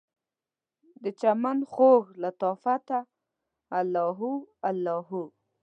دچمن خوږ لطافته، الله هو الله هو